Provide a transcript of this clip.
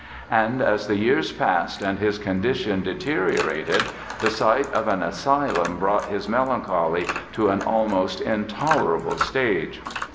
And as the years passed and his condition deteriorated the sight of an asylum brought his melancholy to an almost intolerable stage.